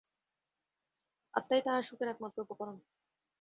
আত্মাই তাঁহার সুখের একমাত্র উপকরণ।